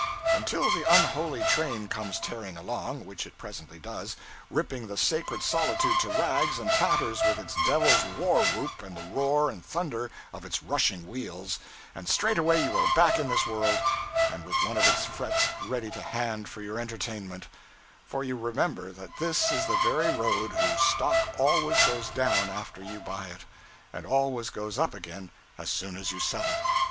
Until the unholy train comes tearing along which it presently does, ripping the sacred solitude to rags and tatters with its devil's warwhoop and the roar and thunder of its rushing wheels and straightway you are back in this world, and with one of its frets ready to hand for your entertainment: for you remember that this is the very road whose stock always goes down after you buy it, and always goes up again as soon as you sell it.